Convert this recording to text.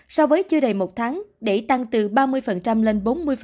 so với chưa đầy một tháng để tăng từ ba mươi lên bốn mươi